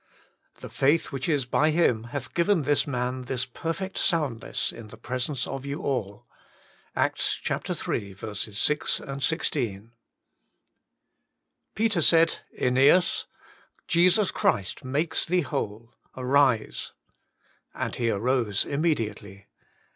. The faith which is by Him hath given this man this perfect soundness in the presence of you all." ACTS iii. 6, 16. " Peter said, JEiieas, Jesus Christ maketh thee whole : arise. And he arose immediately."